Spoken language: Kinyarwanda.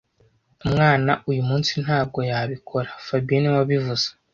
Umwana uyumunsi ntabwo yabikora fabien niwe wabivuze